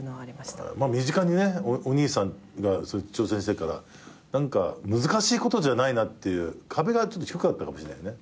身近にねお兄さんがそうやって挑戦してるから何か難しいことじゃないなって壁が低かったかもしんないよね。